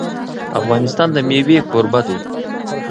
افغانستان د مېوې کوربه دی.